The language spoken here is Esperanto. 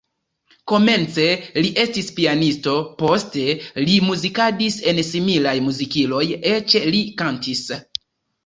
Komence li estis pianisto, poste li muzikadis en similaj muzikiloj, eĉ li kantis.